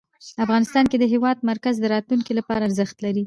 افغانستان کې د هېواد مرکز د راتلونکي لپاره ارزښت لري.